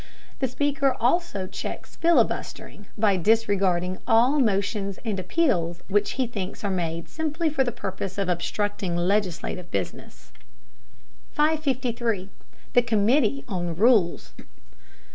The Speaker also checks filibustering by disregarding all motions and appeals which he thinks are made simply for the purpose of obstructing legislative business. 553. THE COMMITTEE ON RULES.